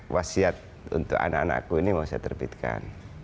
wasiat untuk anak anakku ini mau saya terbitkan